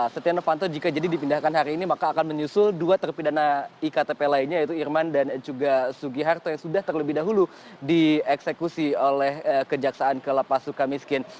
setia novanto jika jadi dipindahkan hari ini maka akan menyusul dua terpidana iktp lainnya yaitu irman dan juga sugiharto yang sudah terlebih dahulu dieksekusi oleh kejaksaan ke lapas suka miskin